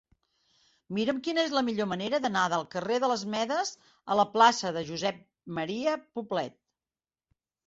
Mira'm quina és la millor manera d'anar del carrer de les Medes a la plaça de Josep M. Poblet.